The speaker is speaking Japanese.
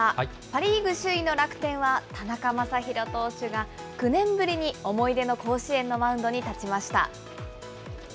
パ・リーグ首位の楽天は、田中将大投手が９年ぶりに思い出の甲子園のマウンドに立ちました。